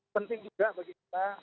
penting juga bagi kita